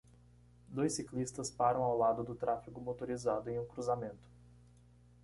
Dois ciclistas param ao lado do tráfego motorizado em um cruzamento.